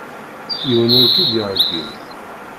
Yiwen ur k-id-yergim.